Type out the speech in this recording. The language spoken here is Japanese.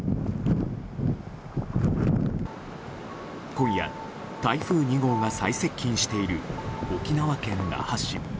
今夜、台風２号が最接近している沖縄・那覇市。